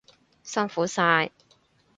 辛苦晒！